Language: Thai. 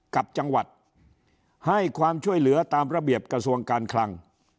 กับจังหวัดให้ความช่วยเหลือตามระเบียบกระทรวงการคลัง